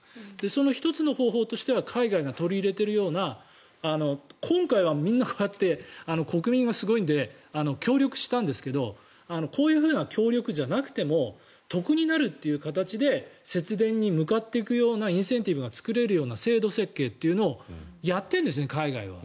その１つの方法としては海外が取り入れてるような今回は、みんなこうやって国民がすごいので協力したんですけどこういうふうな協力じゃなくても得になるという形で節電に向かっていくようなインセンティブが作れるような制度設計というのをやっているんですね、海外は。